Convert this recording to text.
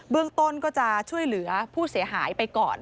ต้นก็จะช่วยเหลือผู้เสียหายไปก่อน